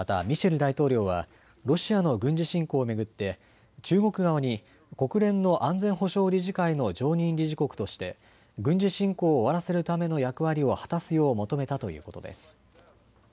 大統領はロシアの軍事侵攻を巡って中国側に国連の安全保障理事会の常任理事国として軍事侵攻を終わらせるための役割を果たすよう求めたということです。